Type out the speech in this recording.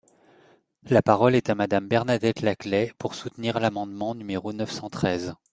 La parole est à Madame Bernadette Laclais, pour soutenir l’amendement numéro neuf cent treize.